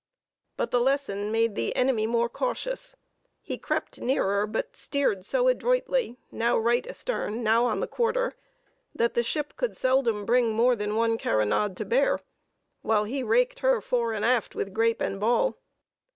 But the lesson made the enemy more cautious; he crept nearer, but steered so adroitly, now right astern, now on the quarter, that the ship could seldom bring more than one carronade to bear, while he raked her fore and aft with grape and ball.